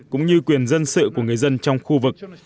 cũng như quyền dân sự của người dân trong khu vực